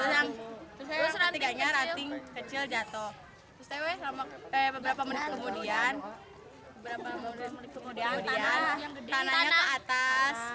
yang ketiganya ranting kecil jatuh beberapa menit kemudian tanahnya ke atas